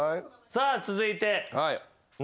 さあ続いて。